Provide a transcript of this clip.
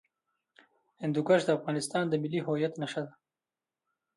هندوکش د افغانستان د ملي هویت نښه ده.